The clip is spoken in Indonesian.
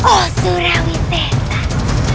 oh surawi sesat